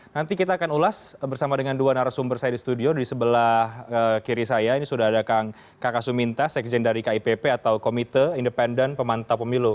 nanti kita akan ulas bersama dengan dua narasumber saya di studio di sebelah kiri saya ini sudah ada kang kakak suminta sekjen dari kipp atau komite independen pemantau pemilu